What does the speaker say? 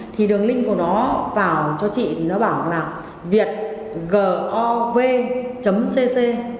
thì đường linh của nó vào cho chị thì nó bảo là việtgov cc